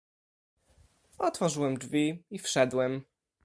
"Otworzyłem drzwi i wszedłem."